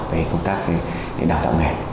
về công tác đào tạo nghề